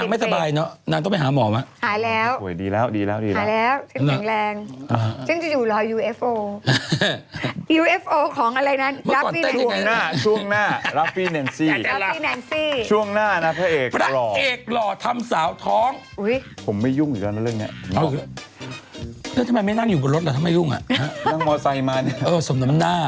เก็บไปเป็นที่แล้วหรือคุณเคยใช่งั้นคะ